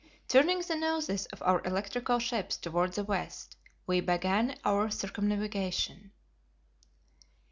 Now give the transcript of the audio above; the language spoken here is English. Turning the noses of our electrical ships toward the west, we began our circumnavigation.